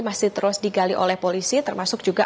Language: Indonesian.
masih terus digali oleh polisi termasuk juga